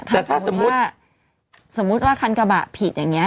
แต่ถ้าสมมุติสมมุติว่าคันกระบะผิดอย่างนี้